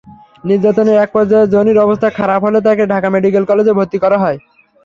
নির্যাতনের একপর্যায়ে জনির অবস্থা খারাপ হলে তাঁকে ঢাকা মেডিকেলে ভর্তি করা হয়।